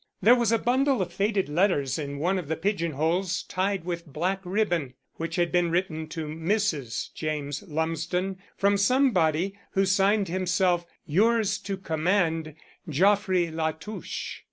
There was a bundle of faded letters in one of the pigeon holes tied with black ribbon, which had been written to Mrs. James Lumsden from somebody who signed himself "Yours to command, Geoffrey La Touche."